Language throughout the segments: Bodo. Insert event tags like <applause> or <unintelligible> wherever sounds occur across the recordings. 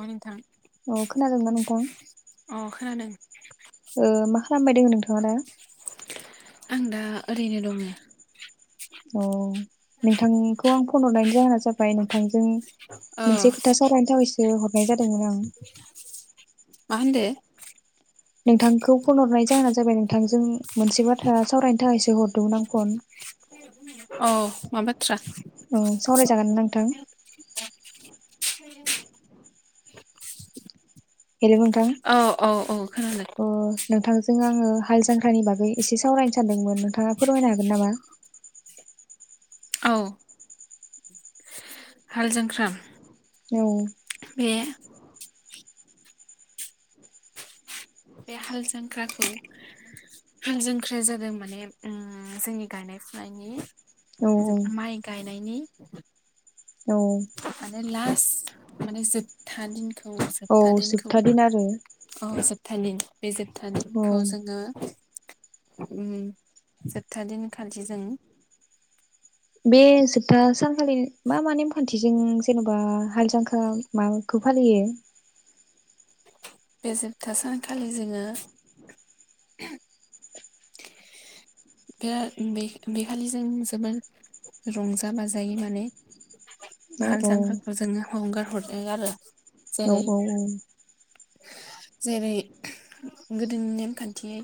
अ नोंथां औ खोनादोंबा नोंथां? अ खोनादों ओ मा खालामबाय दों नोंथाङा दा? आं दा ओरैनो दङ, अ नोंथांनिखौ आं फन हरनायनि जाहोना जाबाय नोंथां, जों औ मोनसे खोथा सावरायनो थाखाय हरनाय जादोंमोन आं, मा होनदो? नोंथांखौ फन हरनाय, जाहोना जाबाय नोंथांजों मोनसे बाथ्रा सावरायनो थाखायसो हरदोंमोन आं फन, औ माबा- औ सावरायजागोन नोंथां, <unintelligible> हेलौ नोंथां औ औ औ खोनादों अ नोंथांजों आङो, हाल जांख्रानि बागै एसे सावरायनो सानदोंमोन नोंथाङा फोरमायनो हागोन नामा? औ हाल जांख्रा, औ बे बे हाल जख्राखौ हाल जांख्राया जादों माने उम जोंनि गायनाय फुनायनि, औ जो माइ गाय मोनायनि औ माने लास माने जोबथा दिन, थौ औ जोब्था दिनखौ जोबथा दिन आरो औ जोब थानि बे जोबथा दिनखौ औ जोङो उम जोबथा दिन खालि जों, बे जोबथा सान फालि मा माने फान खाथिजों जेनबा हाल जांख्रा माखौ फालियो? बे जोबथा सानखालि जोङो, बे बे बि खालि जों जोबोर रंजा बाजायै माने, औ हाल औ जांख्राखौ जोङो हगार हरो आरो। औ जेरै औ औ। जेरै गोदोनि नेमखान्थियै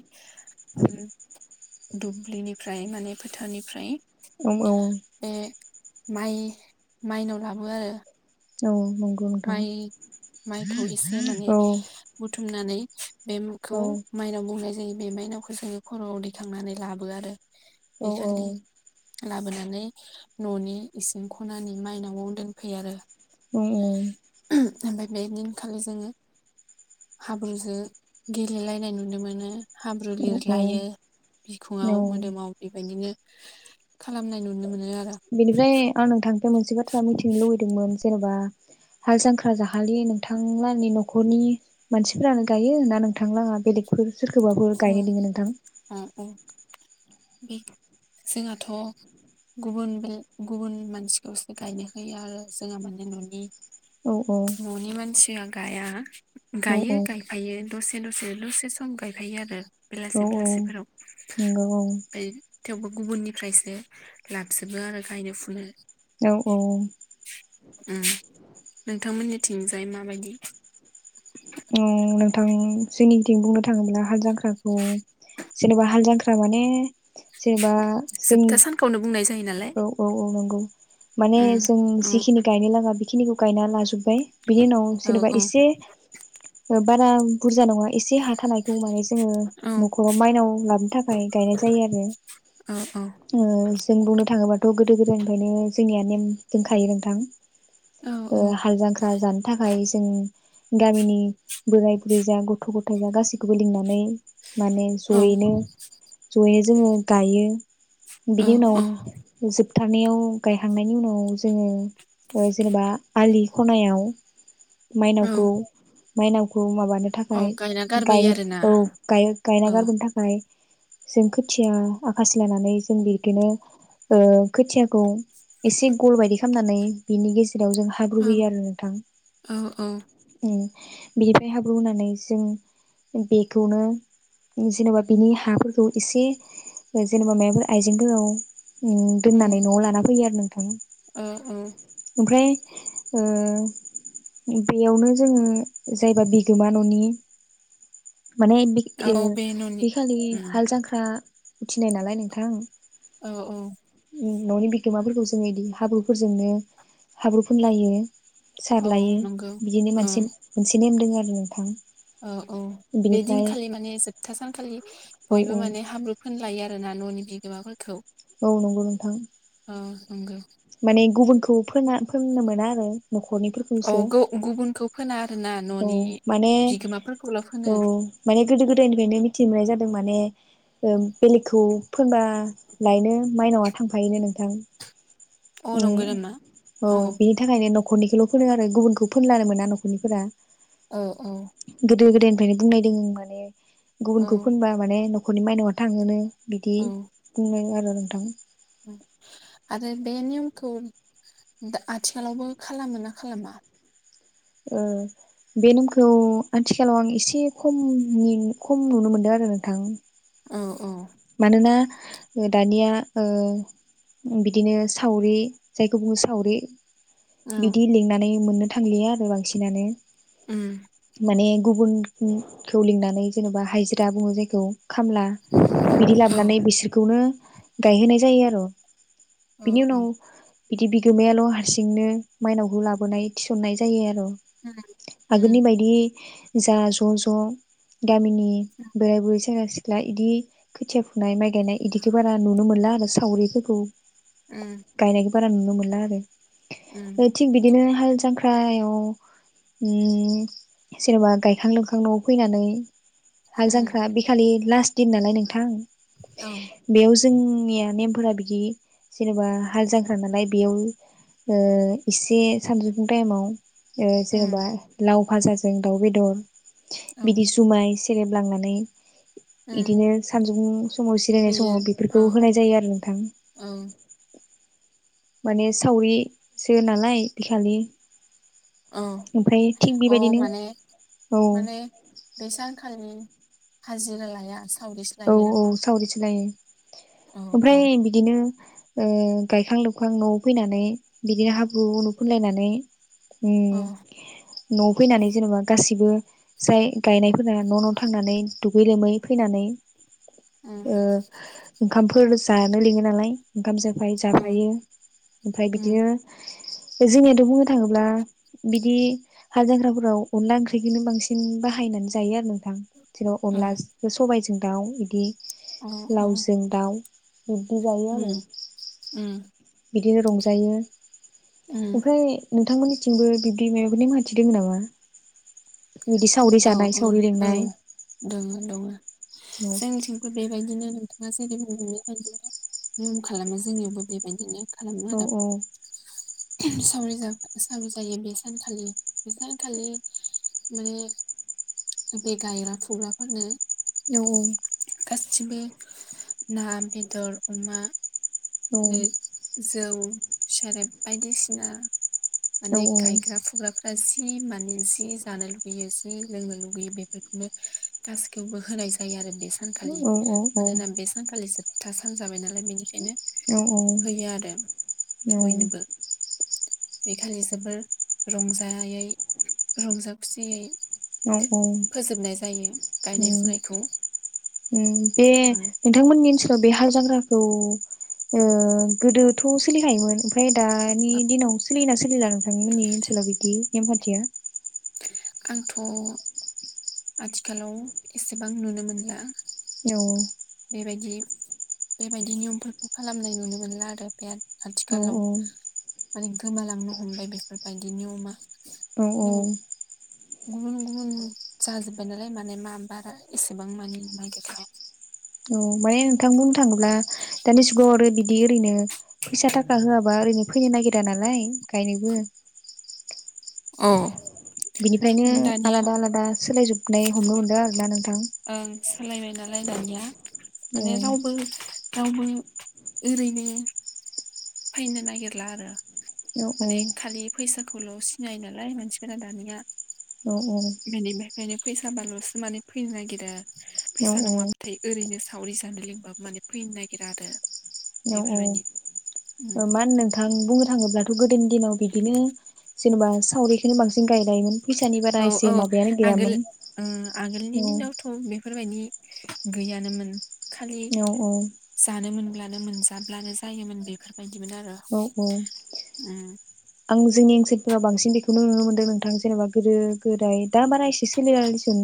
आरो दुब्लिनिफ्राय माने फोथारनिफ्राय औ औ। बे माइ माइनाव लाबो आरो। औ। नंगौ नोंथां माइ माइखौ एसे माने औ बुथुमनानै बेखौ औ माइनाव बुंनाय जायो। बे माइनावखौ जोङो खर'आव दैखांनानै लाबो आरो। बे औ औ। खालि लाबोनानै ननि इसिं खनानि माइनावआव दोनफैयो आरो। औ औ। ओमफ्राय बे दिनखालि जोङो हाब्रुजो गेलेलायनाय नुनो मोनो। हाब्रु लिरलायो औ बिखुङाव मोदोमाव बेबायदिनो खालामनाय नुनो मोनो। आरो बेनिफ्राय आं नोंथांनिफ्राय मोनसे बाथ्रा मिथिनो लुुबैदोंमोन जेनेबा हाल जांख्रा जाखालि नोंथांलानि नखरनि मानसिफोरानो गायो ना नोंथांलाङा बेलेगफोर सोरखौबाफोर अ गायनो लेङो नोंथां। अ अ जोंहाथ गुबुन बे गुबुन मानसिखौसो गायनो होयो आरो जोंहा माने ननि दोङो ननि मानसि मा गाया। नोंथां गायो गायफायो दसे दसे दसे सम गायफायो आरो। औ बेलासे बेलासिफोराव औ नंगौ औ ओमफ्राय थेवबो गुबुननिफ्रायसो लाबजोबो आरो गायनो फुनो। औ औ। उम नोंथांमोननिथिंजाय माबायदि? औ नोंथां जोंनिथिं बुंनो थाङोब्ला हाल जांख्राखौ जेनेबा हाल जांख्रा माने जेनेबा जोबथा सानखौनो बुंनाय जायो नालाय जों औ औ औ नंगौ माने उम जों औ जिखिनि गायनो लागा खिनिखौ गायना लाजुब बाय बिनि उनाव औ जेनेबा औ इसे बारा बुरजा नङा एसे हा थानायखौ माने जोङो औ नखराव माइनाव लाबोनो थाखाय गायनाय जायो आरो औ उम जों बुंनो थाङोबा थ गोदो गोदायनिफायनो जोंनिया नेम दोंखायो नोंथां औ ओ हाल जांख्रा जानो थाखाय जों गामिनि बोराय बुरै जा गथ गथाय जा गासैखौबो लिंनानै माने औ जयैनो जयै जोङो गायो बिनि उनाव औ जोब थारनायाव गायखांनायनि उनाव जोङो ओ जेनेबा आलि खनायाव औ माइनावखौ माइनावखौ माबा नो थाखाय औ गायना गाय गारबोयो आरोना औ गाय गायना औ गारबोनो थाखाय जों खोथिया आखासे लानानै जों बिदिनो ओ खोथियाखौ एसे गल बायदि खामनानै बिनि गेज जेराव जों हाब्रु होयो आरो नोंथां। औ औ उम बिनिफ्राय हाब्रु होनानै जों बेखौनो जेनेबा बिनि हाफोरखौ एसे जेनेबा माइफोर आइजें फोरआव उम दोननानै नआव लाना फैयो आरो नोंथां औ औ ओमफ्राय ओ बेयावनो जोङो जायबा बिगोमा ननि माने बे ओ औ बे न'नि बेखालि उम हाल जांख्रा उथिनाय नालाय नोंथां औ औ ननि बिगोमाफोरखौ जोङो इदि हाब्रुफोरजोंनो हाब्रु फुनलायो। औ सारलायो नंगौ बिदिनो औ मानसि मोनसे नेम दोङो आरो नोंथां औ औ बे बिनिफ्राय दिनखालि माने जोबथा सानखालि औ बयबो औ माने हाब्रु फोनलायो आ होना ननि बिगोमाफोरखौ औ नंगौ नोंथां अ नंगो माने गुबुनखौ फोना फोननो मोना आरो औ नखरनिफोरखौसो गौ गुबुनखौ फोना आरोना औ न'नि माने बिगोमाफोरखौल' फोनो औ माने गोदो गोदायनिफ्रायनो मिथि मोननाय जादों माने ओ बेलेगखौ फोना <inaudible> लायनो माइनावा <inaudible> थांफायोनो नोंथां अ उम नंगौ नामा औ बिनि थाखायनो नख'रनिखौल फोनो आरो गुबुनखौ फोनल्लानो मोना न खरनिफोरा औ औ गोदो गोदायनिफ्रायनो बुंलनायदों माने औ गुबुनखो फुनबा माने नखर'नि माइनाव थाङो नो बिदि औ बुंनाय आर नोंथां आरो बे नियमखौ आथिखालावबो खालामो ना खालामा? ओ बे नेमखौ आथिखालाव आं एसे खमनि खम नुनो मोनदों आरो नोंथां। औ औ मानोना दानिया ओ बिदिनो सावरि जायखौ बुङो सावरि। औ बिदि लिंनानै मोननो थांलिया आरो बांसिनानो। उम माने गुबुन खौ लिंनानै जेनेबा हाइजिरा बुङो जायखौ। खामला बिदि औ लाबोनानै बिसोरखौनो गायहोनाय जायो आर' औ बिनि उम उनाव बिदि बिगोमायाल' हारसिंनो माइनावखौ लाबोनाय थिसननाय जायो आर' आगोलनि उम बायदि जा ज' ज' गामिनि बोराय बुरै सेंग्रा सिख्ला इदि खोथिया फुनाय माइ गयनाय इदिथ बारा नुनो मोनला आरो सावरिफोरखौ उम फोरानोनो मोनला उम आरो थिग बिदिनो हाल जांख्रायाव उ उ जेनेबा गायखां लोंखां नआव फैनानै हाल उम जांख्रा बेखालि लास्ट दिन नालाय नों औ बेव जोंनिया नेम फोरा बिदि जेनेबा हाल जांख्रा नालाय बेयाव ओ एसे सानजौफुं टाइमाव ओ जेनेबा उम लाव फाजा जों दाव बेदर औ बिदि जुमाय से रेब लांनानै उम इदिनो जोंङो समाव सिरायनाय होयो समाव बेफोरखौ औ होनाय जायो आरो नोंथां। औ माने सावरि सो नालाय बिखालि औ ओमफ्राय थिग औ बेबायदिनो माने औ माने बे सानखा खालि हाजिरा लाया सावरिसो औ लायो औ नामा? सावरिसो लायो। औ ओमफ्राय औ बिदिनो ओ गायखां लोबखां न'आव फैनानै बिदिनो हाब बु उनु फुनलायनानै औ उम न'आव फैनानै जेनेबा गासिबो जाय गायनायफोरा न' न' थांनानै दुगै लोमै फैनानै उम ओ ओंखामफोर जानो लिंङो नालाय ओंखाम जोफाय उम जाफायो ओमफ्राय उम बिदिनो जोंनियाथ बुंनो थांङोब्ला बिदि हालजांख्राफोराव अनला ओंख्रिखौनो बांसिन बाहायनानै जायो आरो नोंथां। जेराव औ अनलाज सबायज दाव बिदि औ औ लावजों दाव बिबदि जायो आरो। उम उम बिदिनो रंजायो उम ओमफ्राय नोंथांमोननिथिंबो बिबदि मायावो नेम हान्थि दोंङो नामा? बिदि सावरि औ जानाय औ सावरि औ लिंनाय दंङो दंङो औ जोंनिथिंबो बेबायदिनो नो थांङा जेरै बुंदों बेबायदि नो नियम खालामो जोंनियावबो बेबायदिनो। खालामो औ आरो औ। सावरि सावरि जायो बे सानखालि बे सानखालि माने। बे गायग्रा फुग्राफोरानो। औ गासिबो। ना बेदर अमा। औ बे जौ। सेरेब बायदिसिना। औ माने गायग्रा फुग्राफ्रा जि माने जि जानो लुुगैयो जि लोंनो लुुगैयो बेफोरखौनो गासिखौबो होनाय जायो आरो बे सानखालि औ औ मानोना बे सानखालिसो था सान जाबाय नालाय बेनिखायनो। होयो औ आरो औ बयनोबो औ। बे खालि जोबोर रंजायै रंजा खुसियै। औ औ फोजोबनाय जायो ओम गायनाय फुनायखौ ओम बे नोंथांमोननि ओनसो लाव बे हाल जांग्राखौ ओ गोदोथ सोलिखायोमोन ओमफ्राय दानि दिनाव सोलिना सोलिला नोंथांमोननि ओनसोलाव बिदि। बेम फाथिया। आंथ आथिखालाव एसेबां नुनो मोनला। औ बेबायदि। बेबायदि नियमफोरखौ खालामनाय नुनो मोनला आरो बिराद औ आथिखालाव। औ माने गोमालांनो हमबाय बेफोरबायदि नियमा। औ औ। गुबुन गुबुन जाजोबबाय नालाय माने मा बारा एसेबां मानि नागिरखा <inaudible> औ माने नोंथां बुं थाङोब्ला दानि जुगाव आरो बि दि ओरैनो। फैसा थाखा होआबा ओरैनो फैनो नागिर थाया नालाय ओंखायनोबो। औ। बिनिफ्रायनो आलादा आलादा सोलायजोब नै हमनो मोनदों आरोना। नोंथां ओं सोलायबाय नालाय। दानिया। औ माने रावबो रावबो ओरैनो फैनो नागिरला आरो औ माने औ खालि फैसाखौ ल' सिनायो नालाय मानसिफोरा दानिया औ औ बेनि फैसाबालसो माने फैनो नागिरो फैसा औ नङाबाथाय ओरैनो सावरि जानो लिंबाबो माने फैनो नागिरा आरो औ औ औ बेफोरबायदि ओ उम मा होनो नोंथां बुंनो थाङोब्ला थ' गोदोनि दिनाव बिदिनो जेनबा सावरिखौनो बांसिन गायलायोमोन फैसानि बारा औ एसे औ माबायानो आगोल गैयामोन ओ आगोलनि औ दिनावथ बेफोरबायदि गैयानोमोन। खालि औ जानो मोनब्ला मोनजाब्लानो जायोमोन बेफोर बायदिमोन आरो औ औ आं जोंनि ओन्सोलफोराव बांसिन बेखौनो नुनो मोनदों नोंथां जेनेबा गोदो गोदाय दा बारा एसे सोलिला दिसं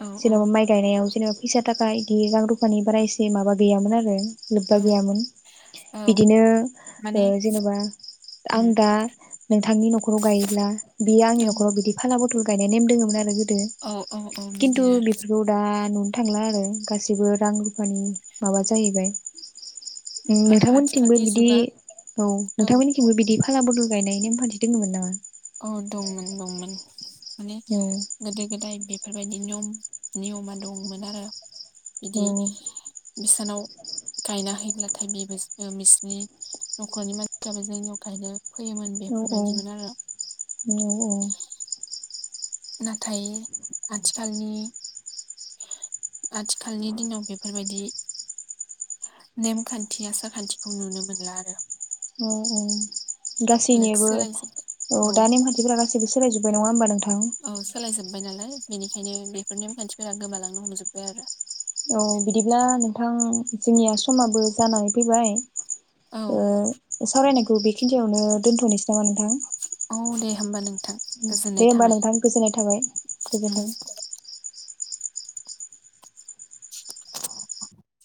औ औ जेनेबा माइ गायनायाव जेनेबा फैसा थाखा इदि रां रुफानि बारा एसे माबा गैयामोन आरो लोब्बा औ गैयामोन औ बिदिनो माने ओ जेनबा उम आं दा नोंथांनि नखराव गायोब्ला बियो आंनि औ नखराव बिदि फा फाला बदल गायनाय नेम दङमोन आरो औ औ औ खिन्थु बिदिनो बेफोरखौ दा नु थांला आरो गासैबो रां रुफानि माबा जाहैबाय आरो नोंथांमोननिथिंबो आथिखालनि बिदि जुगा औ नोंथांमोननिथिंबो बिदि फालाबदल गायनाय नेम खान्थि दङमोन नामा? औ दंमोन दंमोन माने औ गोदो गोदाय बे फोरबायदि नियम नियमा दंमोन आरो औ बिदि बिसानाव गायना हैयोब्लाथाय बेबो बिसनि नखरनि मानसियाबो जोंनियाव गायनो फैयोमोन औ औ बेफोरबायदिमोन आरो <unintelligible> नाथाय आथिखालनि आथिखालनि दिनाव बेफोरबायदि नेमखान्थि आसार खान्थिखौ नुनो मोनला आरो औ औ गासैनिबो सोलायजोब्बाय औ औ दा नेमखान्थिफोरा गासैबो सोलायजोब्बाय नङा होमबा नोंथां जाबाय नालाय बेनिखायनो बेफोरनि मानसिफोरा गोमालांनो हमजोबबाय आरो औ बिदिब्ला नोंथां जोंनिया समाबो जानानै फैबाय औ ओ सावरायनायखौ बेखिनियावनो दोन्थनोसै नामा नोंथां होमब्ला नों दे होमबा नोंथां गोजोननाय थाबाय उम गोजोन्थों। <inaudible>